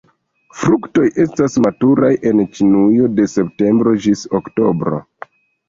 La fruktoj estas maturaj en Ĉinujo de septembro ĝis oktobro.